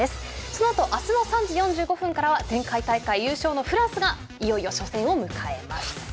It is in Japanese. そのあと明日の３時４５分からは前回大会優勝のフランスがいよいよ初戦を迎えます。